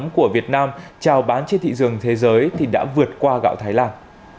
của việt nam trào bán trên thị trường thế giới thì đã vượt qua gạo thái lan